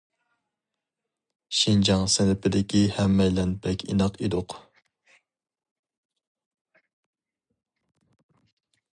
شىنجاڭ سىنىپىدىكى ھەممەيلەن بەك ئىناق ئىدۇق.